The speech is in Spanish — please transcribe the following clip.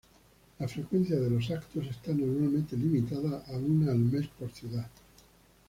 La frecuencia de los eventos está normalmente limitada a una al mes por ciudad.